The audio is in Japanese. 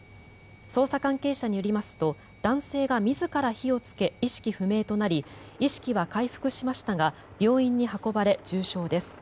捜査関係者によりますと男性が自ら火をつけ意識不明となり意識は回復しましたが病院に運ばれ重傷です。